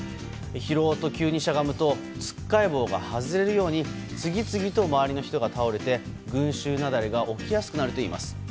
拾おうと急にしゃがむとつっかえ棒が外れるように次々と周りの人が倒れて群衆雪崩が起きやすくなるといいます。